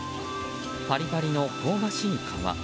パリパリの香ばしい皮。